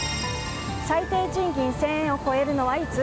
最低賃金１０００円を超えるのはいつ？